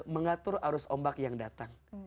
mengatur arus ombak yang datang